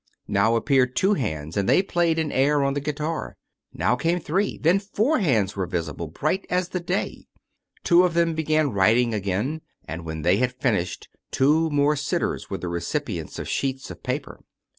Now appeared two hands and they played an air on the guitar. Now came three, then four hands were visible, bright as the day. 292 How Spirits Materialize Two of them began writing again, and, when they had fin ished, two more sitters were the recipients of sheets of paper.